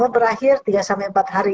berakhir tiga empat hari